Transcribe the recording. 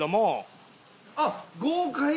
あっ豪快に。